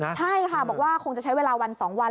ใช่ค่ะบอกว่าคงจะใช้เวลาวัน๒วัน